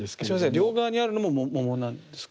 両側にあるのも桃なんですか？